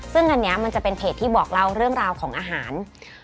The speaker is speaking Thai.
ซึ่งอันนี้มันจะเป็นเพจที่บอกเล่าเรื่องราวของอาหาร